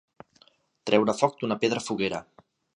Treure foc d'una pedra foguera.